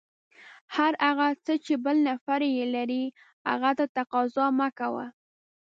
هر هغه څه چې بل نفر یې لري، هغه ته تقاضا مه کوه.